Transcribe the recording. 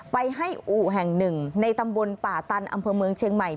ไปให้อู่แห่งหนึ่งในตำบลป่าตันอำเภอเมืองเชียงใหม่